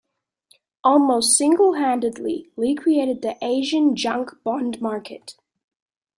Almost single-handedly, Lee created the Asian junk bond market.